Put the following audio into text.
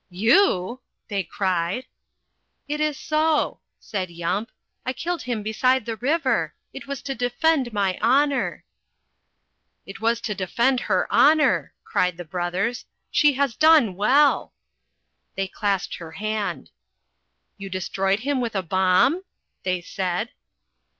"You!" they cried. "It is so," said Yump. "I killed him beside the river. It was to defend my honour." "It was to defend her honour," cried the brothers. "She has done well." They clasped her hand. "You destroyed him with a bomb?" they said.